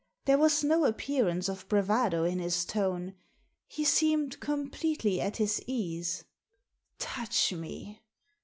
There was no appearance of bravado in his tone. He seemed completely at his ease. " Touch me